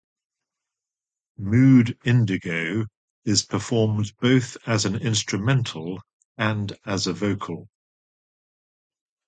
"Mood Indigo" is performed both as an instrumental and as a vocal.